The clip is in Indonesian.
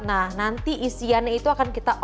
nah nanti isiannya itu akan kita oleskan